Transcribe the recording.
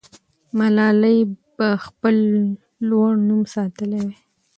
ملالۍ به خپل لوړ نوم ساتلی وي.